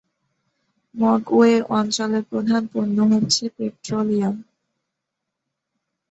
Mogwe অঞ্চলের প্রধান পণ্য হচ্ছে পেট্রোলিয়াম।